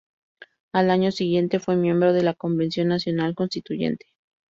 Al año siguiente fue miembro de la Convención Nacional Constituyente.